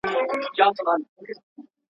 د بل چا کور ته له اجازې پرته مه ننوځئ.